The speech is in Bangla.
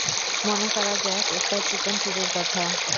মনে করা যাক একটা চিকন চুড়ির কথা।